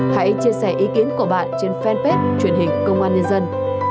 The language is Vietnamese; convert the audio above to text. hãy chia sẻ ý kiến của bạn trên fanpage truyền hình công an nhân dân